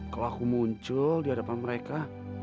kalau aku muncul di hadapan mereka